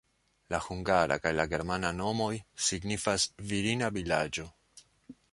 La hungara kaj la germana nomoj signifas "virina vilaĝo".